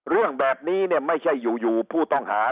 เรื่องแบบนี้เนี่ยไม่ใช่อยู่ผู้ต้องหา